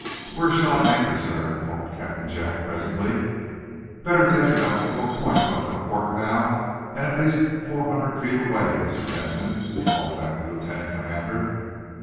"Where shall I anchor, sir?" called Captain Jack, presently. "Better take it about four points off our port bow and at least four hundred feet away, Mr. Benson," called back the lieutenant commander.